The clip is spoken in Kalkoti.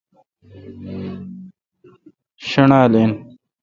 شݨال این۔